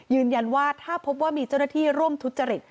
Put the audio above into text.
ยืนยันว่าถ้าพบว่ามีเจ้าหน้าที่ร่วมทุจริต